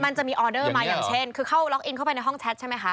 มันจะมีออเดอร์มาอย่างเช่นคือเข้าล็อกอินเข้าไปในห้องแชทใช่ไหมคะ